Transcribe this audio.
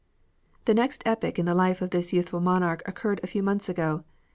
The next epoch in the life of this youthful monarch occurred a few months ago.